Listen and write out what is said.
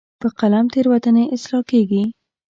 په قلم تیروتنې اصلاح کېږي.